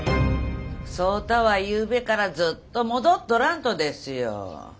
壮多はゆうべからずっと戻っとらんとですよ。